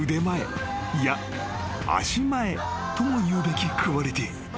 いや足前ともいうべきクオリティー］